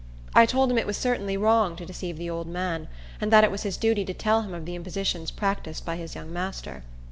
I told him it was certainly wrong to deceive the old man, and that it was his duty to tell him of the impositions practised by his young master.